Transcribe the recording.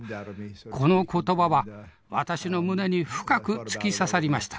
この言葉は私の胸に深く突き刺さりました。